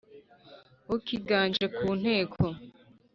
Wowe ukiganje ku nteko ,